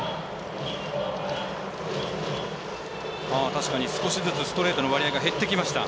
確かに少しずつストレートの割合が減ってきました。